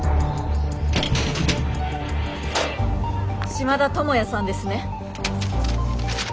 島田友也さんですね？